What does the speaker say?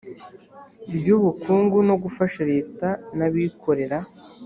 ry ubukungu no gufasha leta n abikorera